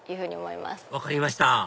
分かりました